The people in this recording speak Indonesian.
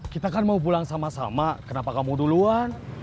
kita kan mau pulang sama sama kenapa kamu duluan